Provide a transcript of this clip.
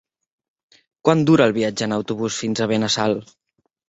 Quant dura el viatge en autobús fins a Benassal?